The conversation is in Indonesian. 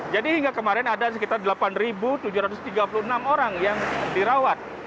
jadi hingga kemarin ada sekitar delapan tujuh ratus tiga puluh enam orang yang dirawat